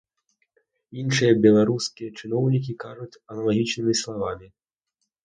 Іншыя беларускія чыноўнікі кажуць аналагічнымі словамі.